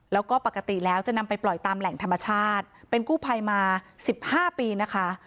แล้วก็ปกติแล้วจะนำไปปล่อยตามแหล่งธรรมชาติเป็นกู้ภัยมาสิบห้าปีนะคะ